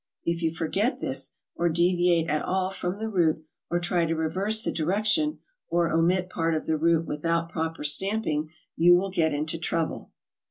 If you forget this or deviate at all from the route or try to reverse the direction, or omit part of the route without proper stamping, you will get into trouble.